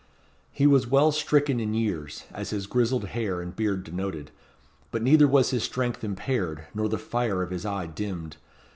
He was well stricken in years, as his grizzled hair and beard denoted, but neither was his strength impaired, nor the fire of his eye dimmed.